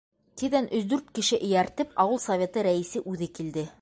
Тиҙҙән өс-дүрт кеше эйәртеп ауыл советы рәйесе үҙе килде.